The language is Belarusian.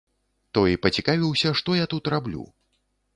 Той пацікавіўся, што я тут раблю.